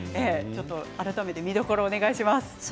改めて見どころをお願いします。